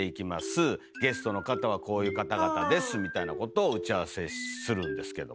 ゲストの方はこういう方々ですみたいなことを打ち合わせするんですけど。